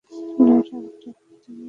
Laura, ওটা কি তুমি?